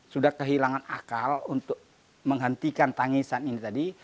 sudah kehilangan akal untuk menghentikan tangisan ini tadi